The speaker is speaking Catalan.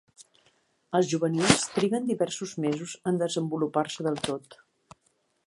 Els juvenils triguen diversos mesos en desenvolupar-se del tot.